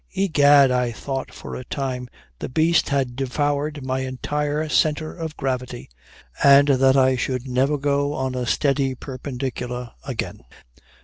Egad, I thought for a time the beast had devoured my entire centre of gravity, and that I should never go on a steady perpendicular again."